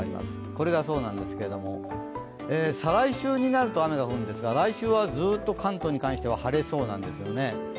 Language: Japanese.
これがそうなんですけども、再来週になると雨が降るんですが、来週はずっと関東に関しては晴れそうなんですよね。